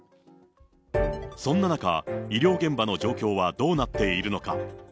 そんな中、医療現場の状況はどうなっているのか。